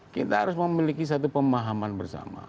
kita harus memiliki satu pemahaman bersama